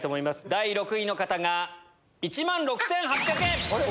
第６位の方が１万６８００円！